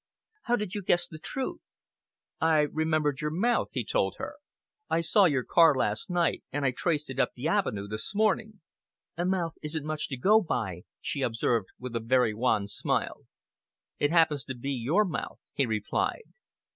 "How did you guess the truth?" "I remembered your mouth," he told her. "I saw your car last night, and I traced it up the avenue this morning." "A mouth isn't much to go by," she observed, with a very wan smile. "It happens to be your mouth," he replied.